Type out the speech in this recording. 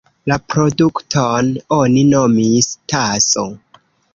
La produkton oni nomis "taso".